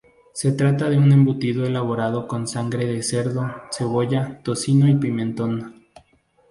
Se trata de un embutido elaborado con sangre de cerdo, cebolla, tocino y pimentón.